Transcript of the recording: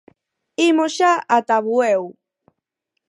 Imos xa ata Bueu.